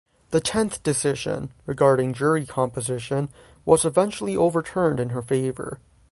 The tenth decision, regarding jury composition, was eventually overturned in her favor.